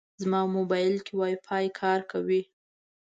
زما موبایل کې وايفای کار کوي.